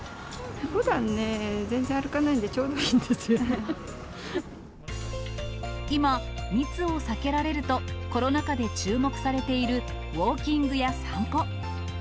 ふだんね、全然歩かないんで、今、密を避けられると、コロナ禍で注目されているウォーキングや散歩。